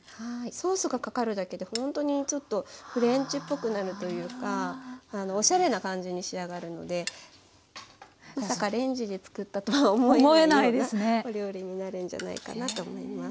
ソースがかかるだけでほんとにちょっとフレンチっぽくなるというかおしゃれな感じに仕上がるのでまさかレンジで作ったとは思えないようなお料理になるんじゃないかなと思います。